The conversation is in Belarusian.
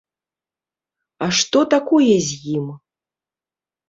А што такое з ім?